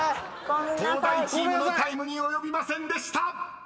［東大チームのタイムに及びませんでした！］